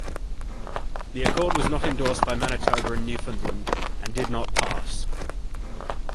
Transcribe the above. The accord was not endorsed by Manitoba and Newfoundland, and did not pass.